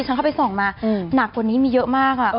ยังรับได้อีก